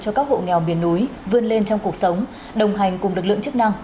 cho các hộ nghèo miền núi vươn lên trong cuộc sống đồng hành cùng lực lượng chức năng